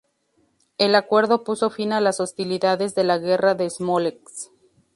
El acuerdo puso fin a las hostilidades de la Guerra de Smolensk.